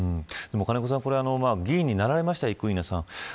金子さん、これ議員になられました、生稲さん。